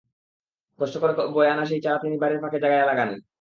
কষ্ট করে বয়ে আনা সেই চারা তিনি বাড়ির ফাঁকা জায়গায় লাগলেন।